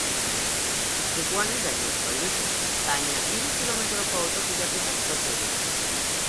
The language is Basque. Istripuan ez da inor zauritu, baina hiru kilometroko auto pilaketak sortu dira.